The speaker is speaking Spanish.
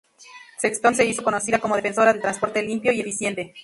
Sexton se hizo conocida como defensora del transporte limpio y eficiente.